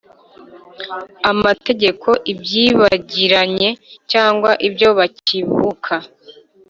amategeko ibyibagiranye cyangwa ibyo bakibuka